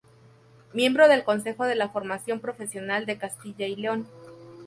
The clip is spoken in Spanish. Miembro del Consejo de la Formación Profesional de Castilla y León.